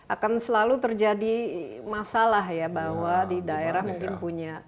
akan selalu terjadi masalah ya bahwa di daerah mungkin punya